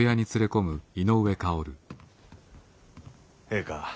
ええか。